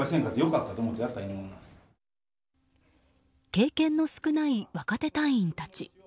経験の少ない若手隊員たち。